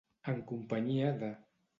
En companyia de.